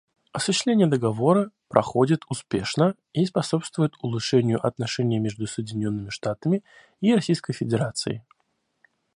Осуществление Договора проходит успешно и способствует улучшению отношений между Соединенными Штатами и Российской Федерацией.